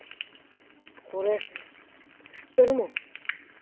俺知ってるもん。